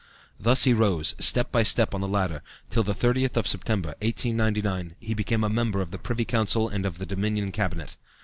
Thus he rose, step by step on the ladder, till on the 30th of September, 1899, he became a member of the Privy Council and of the Dominion Cabinet.